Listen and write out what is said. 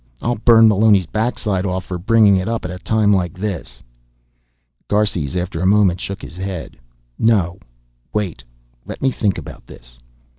I'll burn Meloni's backside off for bringing it up at a time like this." Garces, after a moment, shook his head. "No, wait. Let me think about this."